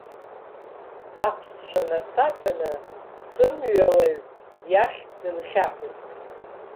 Аԥсшәа насаҳәаны, сымҩалаҩ иахь дынхьаҳәит.